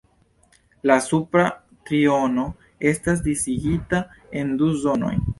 La supra triono estas disigita en du zonoj.